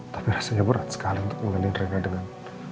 tapi rasanya berat sekali untuk mengandalkan rina dengan